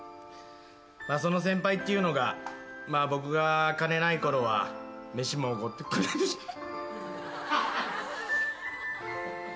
その先輩っていうのが僕が金ないころは飯もおごってくれるし。